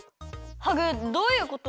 ハグどういうこと？